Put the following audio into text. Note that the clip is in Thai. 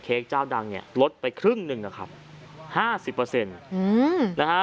เจ้าดังเนี่ยลดไปครึ่งหนึ่งนะครับห้าสิบเปอร์เซ็นต์อืมนะฮะ